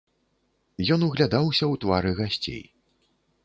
Ён углядаўся ў твары гасцей.